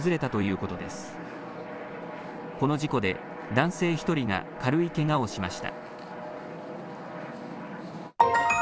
この事故で男性１人が軽いけがをしました。